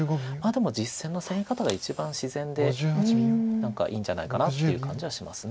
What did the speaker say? でも実戦の攻め方が一番自然で何かいいんじゃないかなっていう感じはします。